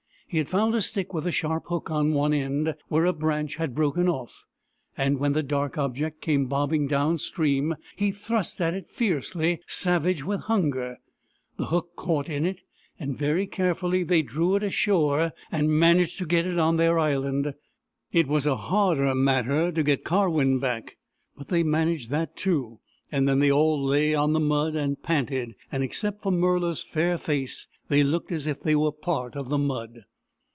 He had found a stick with a sharp hook on one end, where a branch had broken off, and when the dark object came bobbing down stream he thrust at it fiercely, savage with hunger. The hook caught in it, and very carefully they drew it ashore, and managed to get it on their island. It was a harder matter to get Karwin back, but they managed that too, and then they all lay on the mud and panted, and, except for Murla's fair face, they looked as if they were part of the mud.